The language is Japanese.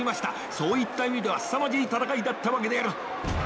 そういった意味ではすさまじい戦いだったわけであります。